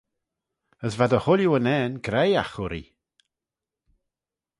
As va dy chooilley unnane graihagh urree.